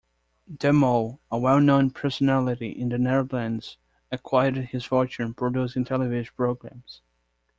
De Mol, a well-known personality in the Netherlands, acquired his fortune producing television programmes.